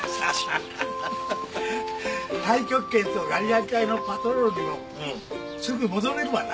太極拳とガリガリ隊のパトロールにもすぐ戻れるわな。